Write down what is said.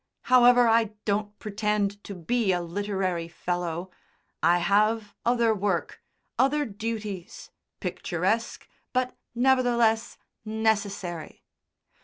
However, I don't pretend to be a literary fellow; I have other work, other duties, picturesque, but nevertheless necessary."